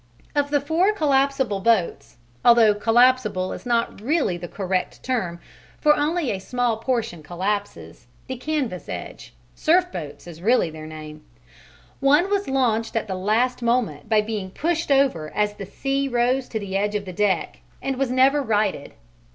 Of the four collapsible boats although collapsible is not really the correct term, for only a small portion collapses, the canvas edge; "surf boats" is really their name one was launched at the last moment by being pushed over as the sea rose to the edge of the deck, and was never righted.